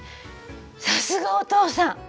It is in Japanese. さすがお父さん！